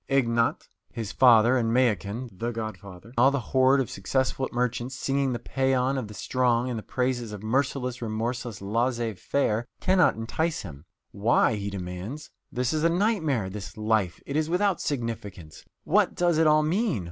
Ignat, his father, and Mayakin, the godfather, and all the horde of successful merchants singing the paean of the strong and the praises of merciless, remorseless laissez faire, cannot entice him. Why? he demands. This is a nightmare, this life! It is without significance! What does it all mean?